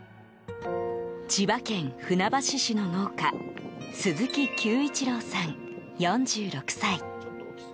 千葉県船橋市の農家鈴木久一朗さん、４６歳。